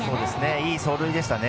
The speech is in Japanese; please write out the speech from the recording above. いい走塁でしたね。